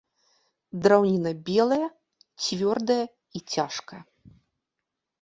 Драўніна белая, цвёрдая і цяжкая.